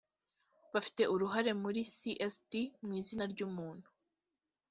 bafite uruhare muri csd mu izina ry umuntu